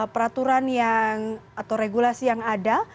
peraturan yang atau regulasi yang ada